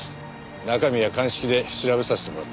中身は鑑識で調べさせてもらった。